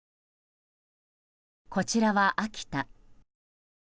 こちらは秋田。